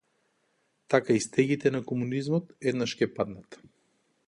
Така и стегите на комунизмот еднаш ќе паднат.